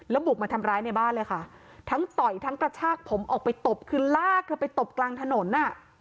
บุกมาทำร้ายในบ้านเลยค่ะทั้งต่อยทั้งกระชากผมออกไปตบคือลากเธอไปตบกลางถนนอ่ะ